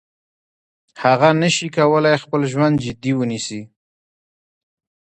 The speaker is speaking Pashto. هغه نشي کولای خپل ژوند جدي ونیسي.